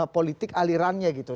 politik alirannya gitu